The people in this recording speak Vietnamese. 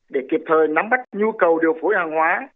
để kịp thời nắm bắt nhu cầu điều phối hàng hóa